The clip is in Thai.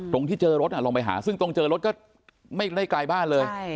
ตรงที่เจอรถลองไปหาซึ่งตรงเจอรถก็ไม่ได้ไกลบ้านเลย